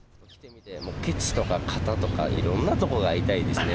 けつとか肩とか、いろんなとこが痛いですね。